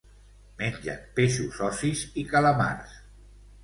Mengen peixos ossis i calamars.